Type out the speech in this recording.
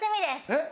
えっ？